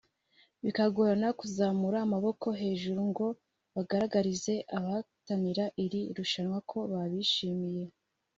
bikagorana kuzamura amaboko hejuru ngo bagaragarize abahatanira iri rushanwa ko babishimiye